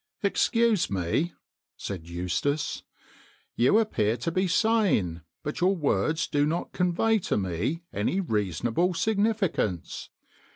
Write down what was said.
" Excuse me," said Eustace, " you appear to be sane, but your words do not convey to me any reasonable significance.